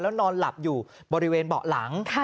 นอนหลับอยู่บริเวณเบาะหลัง